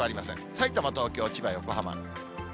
さいたま、東京、千葉、横浜。